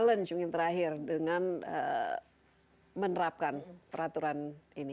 saya ingin terakhir dengan menerapkan peraturan ini